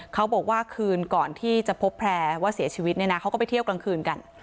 เขาบอกว่าคืนก่อนที่จะพบแพร่ว่าเสียชีวิตเนี่ยนะเขาก็ไปเที่ยวกลางคืนกัน